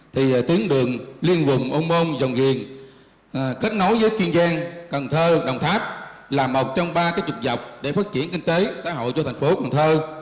thì tuyến đường liên vùng ô môn dòng giền kết nối với kiên giang cần thơ đồng tháp là một trong ba cái trục dọc để phát triển kinh tế xã hội cho thành phố cần thơ